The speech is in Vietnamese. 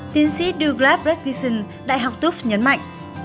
tiến sĩ douglas bradgison đại học tuft nhấn mạnh